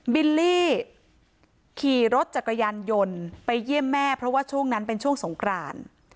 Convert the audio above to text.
บิลลี่ขี่รถจักรยานยนต์ไปเยี่ยมแม่เพราะว่าช่วงนั้นเป็นช่วงสงกราน